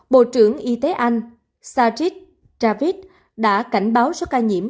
bộ trưởng y tế anh sachit javid đã cảnh báo số ca nhiễm